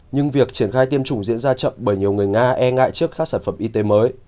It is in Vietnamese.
nhưng việc triển khai tiêm chủng diễn ra chậm bởi nhiều người nga e ngại trước các sản phẩm y tế mới